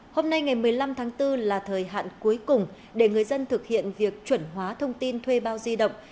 hôm nay ngày một mươi năm tháng bốn là thời hạn cuối cùng để người dân thực hiện việc chuẩn hóa thông tin thuê bao di động